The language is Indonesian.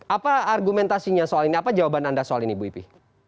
apa argumentasinya soal ini apa jawaban anda soal ini bu ipi